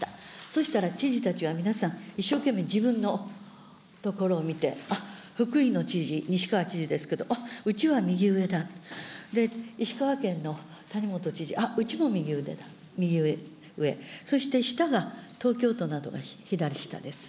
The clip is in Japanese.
そしたら知事たちは皆さん、一生懸命、自分のところを見て、あっ、福井の知事、にしかわ知事ですけど、あっ、うちは右上だ、で、石川県のたにもと知事、あっ、うちも右上だ、右上、そして下が、東京都などが左下です。